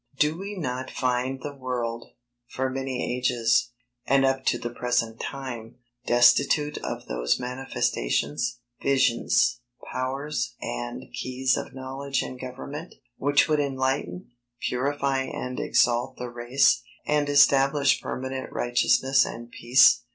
Do we not find the world, for many ages, and up to the present time, destitute of those manifestations, visions, powers, and keys of knowledge and government, which would enlighten, purify and exalt the race, and establish permanent righteousness and peace?